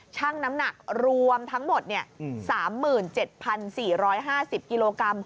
ชั่งน้ำหนักรวมทั้งหมดสามหมื่นเจ็ดพันสี่ร้อยห้าสิบกิโลกรัม